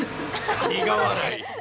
苦笑い。